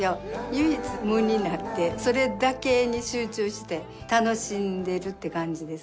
唯一無になってそれだけに集中して楽しんでるっていう感じです。